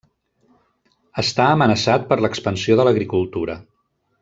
Està amenaçat per l'expansió de l'agricultura.